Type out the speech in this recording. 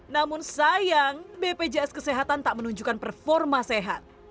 namun sayang bpjs kesehatan tak menunjukkan performa sehat